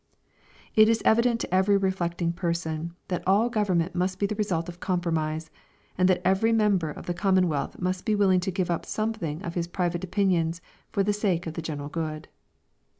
It is evident to every reflecting person, that all government must be the result of compromise, and that every member of the commonwealth must be willing to give up something of his private opinions for the sake of the general good.